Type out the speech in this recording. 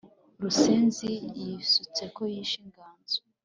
rusenzi yishutse ko yishe inganzo